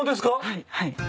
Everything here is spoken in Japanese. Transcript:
はいはい。